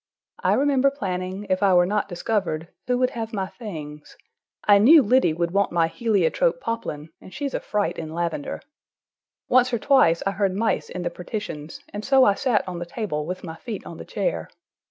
I remember planning, if I were not discovered, who would have my things. I knew Liddy would want my heliotrope poplin, and she's a fright in lavender. Once or twice I heard mice in the partitions, and so I sat on the table, with my feet on the chair.